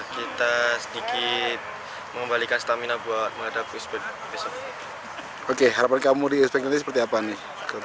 kita sedikit mengembalikan stamina buat menghadapi speed besok oke harapan kamu di uspek nanti seperti apa nih